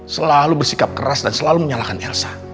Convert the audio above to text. selalu bersikap keras dan selalu menyalahkan elsa